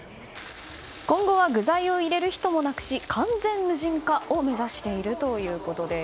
今後は具材を入れる人もなくし完全無人化を目指しているということです。